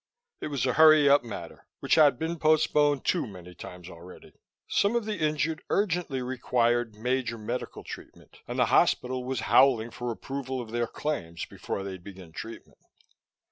It was a hurry up matter, which had been postponed too many times already; some of the injured urgently required major medical treatment, and the hospital was howling for approval of their claims before they'd begin treatment.